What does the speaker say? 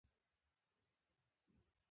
مړه ته د جومات د اذان دعا ورسوې